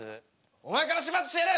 お前から始末してやる！